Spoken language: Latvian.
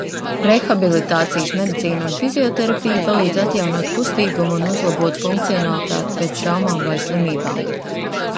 Rehabilitācijas medicīna un fizioterapija palīdz atjaunot kustīgumu un uzlabot funkcionalitāti pēc traumām vai slimībām.